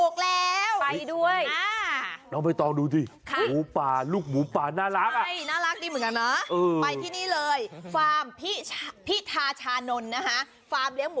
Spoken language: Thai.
ขอนแกนถูกแล้ว